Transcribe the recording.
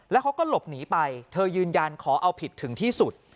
แล้วเขาก็หลบหนีไปเธอยืนยันขอเอาผิดถึงที่สุด